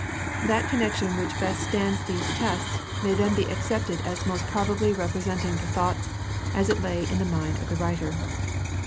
That connection which best stands these tests may then be accepted as most probably representing the thought as it lay in the mind of the writer.'